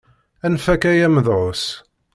Anef akka ay amedεus!